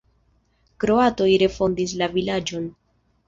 Kroatoj refondis la vilaĝon.